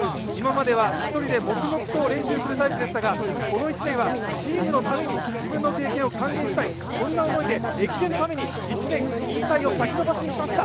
今までは一人で黙々と練習するタイプでしたがこの１年はチームのために自分の経験を還元したい、そんな思いで駅伝のために１年引退を先延ばしにしました。